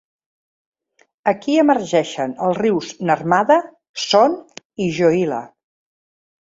Aquí emergeixen els rius Narmada, Son i Johila.